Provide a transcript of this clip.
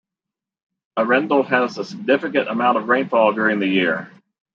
Arendal has a significant amount of rainfall during the year.